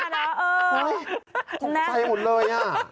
ตกใจหมดเลยอะ